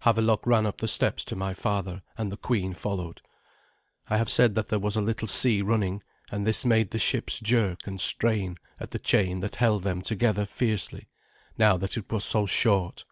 Havelok ran up the steps to my father, and the queen followed. I have said that there was a little sea running, and this made the ships jerk and strain at the chain that held them together fiercely, now that it was so short.